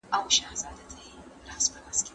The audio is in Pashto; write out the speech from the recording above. ما پرې د اوښکو جرګه وکړه